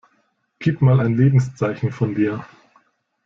Gib mal ein Lebenszeichen von dir!